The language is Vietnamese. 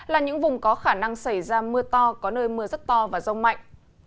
là những vùng có khả năng xảy ra mưa to có nơi mưa rất to và rông mạnh